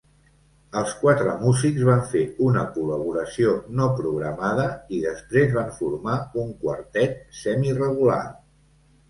Els quatre músics van fer una col·laboració no programada i, després, van formar un quartet semirregular.